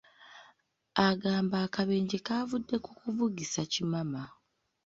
Agamba akabenje kavudde ku kuvugisa kimama.